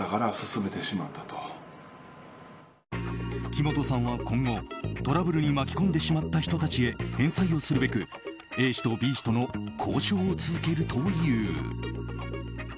木本さんは今後、トラブルに巻き込んでしまった人たちへ返済をするべく、Ａ氏とＢ氏との交渉を続けるという。